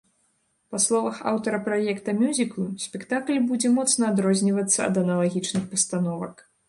Па словах аўтара праекта мюзіклу, спектакль будзе моцна адрознівацца ад аналагічных пастановак.